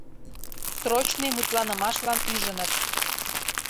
“Срочный мутланымашлан” ӱжыныт.